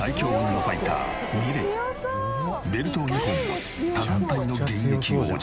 ベルトを２本持つ他団体の現役王者。